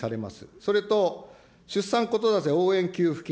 それと、出産子育て応援給付金